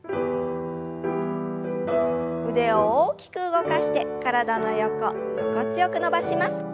腕を大きく動かして体の横心地よく伸ばします。